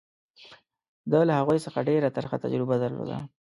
ده له هغوی څخه ډېره ترخه تجربه درلوده.